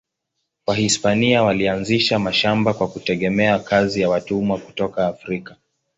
Wahispania walianzisha mashamba kwa kutegemea kazi ya watumwa kutoka Afrika.